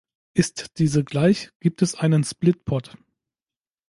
Ist diese gleich, gibt es einen "split pot".